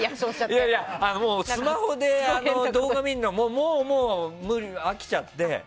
いやいや、スマホで動画を見るのは飽きちゃって。